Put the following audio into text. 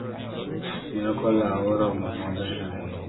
Nyako lau oromo maber ahinya.